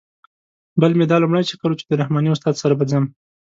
بل مې دا لومړی چکر و چې د رحماني استاد سره به ځم.